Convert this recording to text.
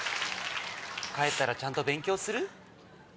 帰ったらちゃんと勉強する？